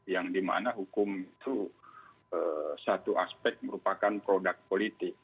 yang dimana hukum itu satu aspek merupakan produk politik